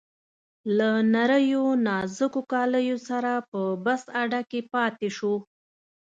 له نریو نازکو کالیو سره په بس اډه کې پاتې شو.